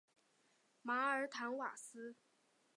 马尔坦瓦斯。